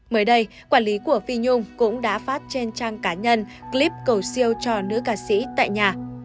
mới đây quản lý của phi nhung cũng đã phát trên trang cá nhân clip cầu siêu cho nữ ca sĩ tại nhà